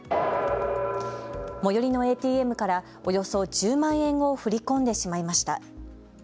最寄りのＡＴＭからおよそ１０万円を振り込んでしまいました。